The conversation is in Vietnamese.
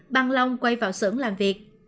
bằng lòng quay vào xưởng làm việc